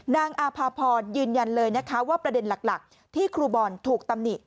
นางอาภาพรยืนยันเลยนะคะว่าประเด็นหลักที่ครูบอลถูกตำหนิ